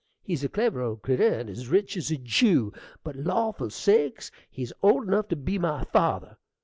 He's a clever old critter, and as rich as a Jew; but lawful sakes! he's old enough to be my father.